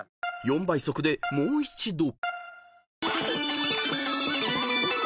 ［４倍速でもう一度］